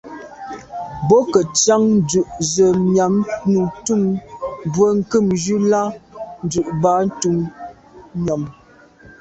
Bo ke ntsian dù’ ze nyam num ntum bwe nkebnjù l’a ndù bag ntum nyam.